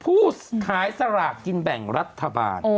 ผู้ขายสลากกินแบ่งรัฐบาล